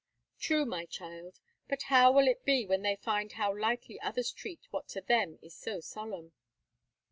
"True, my child; but how will it be when they find how lightly others treat what to them is so solemn?"